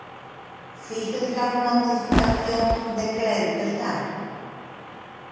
¿Fíxose algunha modificación de crédito xa?